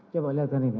coba lihatkan ini